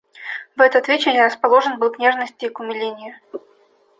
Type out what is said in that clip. В этот вечер я расположен был к нежности и к умилению.